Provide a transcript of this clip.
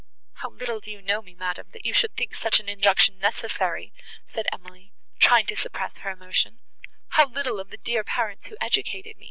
"How little do you know me, madam, that you should think such an injunction necessary!" said Emily, trying to suppress her emotion, "how little of the dear parents, who educa